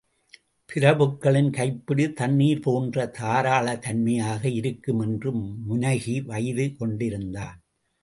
பிரபுக்களின் கைப்பிடி தண்ணீர்போன்ற தாராளத்தன்மையாக இருக்கும்! என்று முனகி வைது கொண்டிருந்தான்.